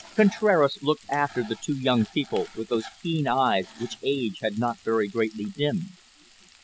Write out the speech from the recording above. Contraras looked after the two young people with those keen eyes which age had not very greatly dimmed.